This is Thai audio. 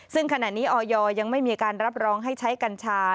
ซึ่งขณะนี้ออยยังไม่มีการรับรองให้ใช้กัญชา